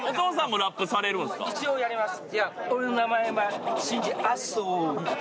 一応やります。